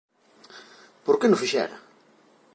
¿Por que non o fixera?